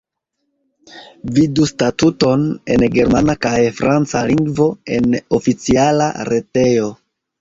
Vidu statuton en germana kaj franca lingvo en oficiala retejo.